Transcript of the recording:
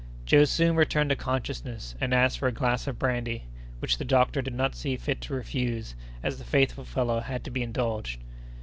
Joe soon returned to consciousness, and asked for a glass of brandy, which the doctor did not see fit to refuse, as the faithful fellow had to be indulged.